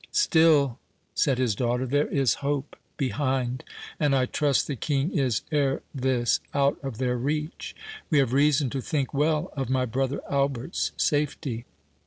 "Still," said his daughter, "there is hope behind, and I trust the King is ere this out of their reach—We have reason to think well of my brother Albert's safety."